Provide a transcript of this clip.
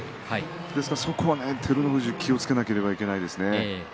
ですから、そこは照ノ富士気をつけなければいけないですね。